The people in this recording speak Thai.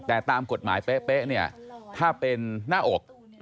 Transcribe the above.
แต่ตามกฎหมายเป๊ะเนี่ยถ้าเป็นหน้าอก